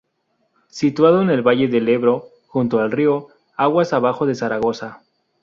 Situado en el valle del Ebro, junto al río, aguas abajo de Zaragoza.